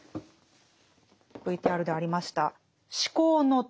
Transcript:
ＶＴＲでありました「思考の徳」。